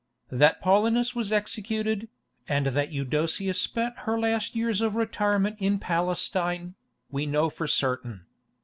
That Paulinus was executed, and that Eudocia spent her last years of retirement in Palestine, we know for certain.